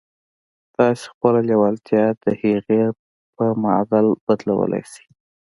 تاسې خپله لېوالتیا د هغې په معادل بدلولای شئ